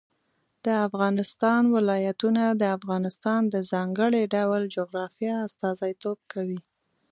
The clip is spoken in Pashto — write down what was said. د افغانستان ولايتونه د افغانستان د ځانګړي ډول جغرافیه استازیتوب کوي.